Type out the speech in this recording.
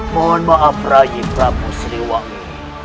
mohon maaf raih prabu sriwani